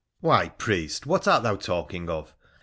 'Why, priest, what art thou talking of?